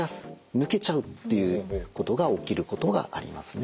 抜けちゃうということが起きることがありますね。